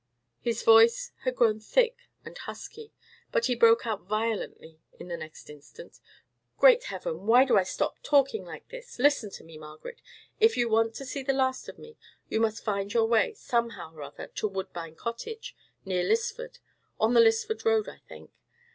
His voice had grown thick and husky; but he broke out violently in the next instant. "Great Heaven! why do I stop talking like this? Listen to me, Margaret; if you want to see the last of me, you must find your way, somehow or other, to Woodbine Cottage, near Lisford—on the Lisford Road, I think.